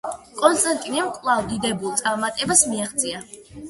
კონსტანტინემ კვლავ დიდებულ წარმატებას მიაღწია.